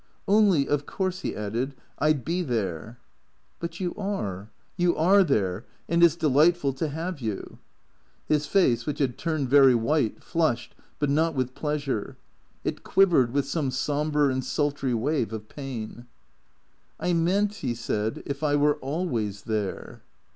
" Only, of course," he added, " I 'd be there." " But you are. Y^ou are there. And it 's delightful to have you." His face, which had turned very white, flushed, but not with pleasure. It quivered with some sombre and sultry wave of pain. 152 THE CREATOES " I meant," he said, " if I were always there."